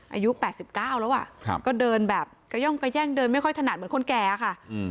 อายุ๘๙แล้วอ่ะก็เดินแบบกระย่องกระแย่งเดินไม่ค่อยถนัดเหมือนคนแก่ค่ะ